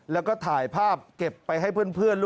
แล้วก็ถ่ายภาพเก็บไปให้เพื่อน